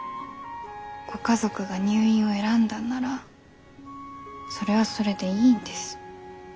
ご家族が入院を選んだんならそれはそれでいいんです。